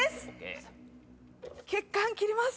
血管切ります。